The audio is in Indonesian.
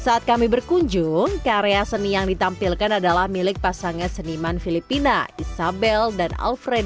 saat kami berkunjung karya seni yang ditampilkan adalah milik pasangan seniman filipina isabel dan alfreddy